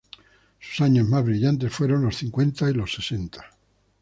Sus años más brillantes fueron los cincuenta y los sesenta.